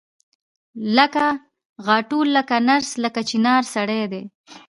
لکه غاټول لکه نرګس لکه چنارسړی دی